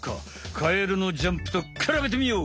カエルのジャンプとくらべてみよう！